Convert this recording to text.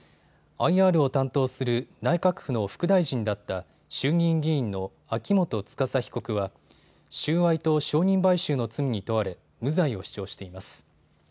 ＩＲを担当する内閣府の副大臣だった衆議院議員の秋元司被告は収賄と証人買収の罪に問われ、無罪を主張しています。